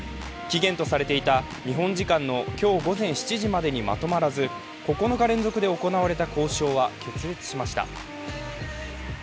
期限とされていた日本時間の今日午前７時までにまとまらず、９日連続で行われた交渉は決裂しました。